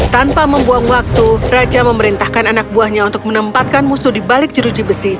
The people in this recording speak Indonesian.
tanpa membuang waktu raja memerintahkan anak buahnya untuk menempatkan musuh di balik jeruji besi